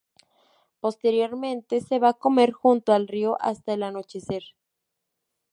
Posteriormente se va a comer junto al río hasta el anochecer.